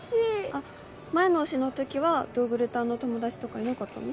あっ前の推しのときは同グル担の友達とかいなかったの？